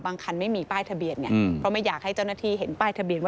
บางคันนั้นก็ไม่มีป้ายตะเบียน